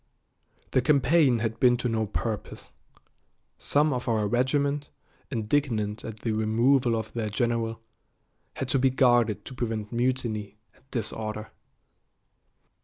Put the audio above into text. The campaign had been to no purpose. Some of our regiment, indignant at the removal of their general, had to be guarded to prevent mutiny and disorder.